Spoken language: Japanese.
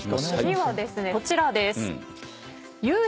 次はですねこちらです。